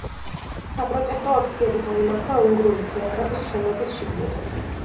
საპროტესტო აქციები გაიმართა უნგრული თეატრების შენობის შიგნითაც.